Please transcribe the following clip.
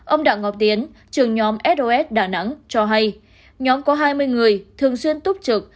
ông đặng ngọc tiến trưởng nhóm sos đà nẵng cho hay nhóm có hai mươi người thường xuyên túc trực